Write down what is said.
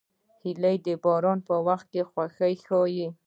هیلۍ د باران په وخت خوښي ښيي